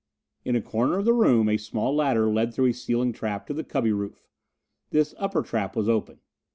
In a corner of the room a small ladder led through a ceiling trap to the cubby roof. This upper trap was open.